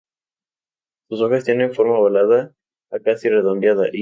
Las hojas tienen forma ovalada a casi redondeada, y plana, brillante y suave.